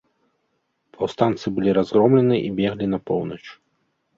Паўстанцы былі разгромлены і беглі на поўнач.